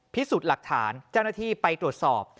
พิสูจน์หลักฐานเจ้าหน้าที่ไปตรวจสอบ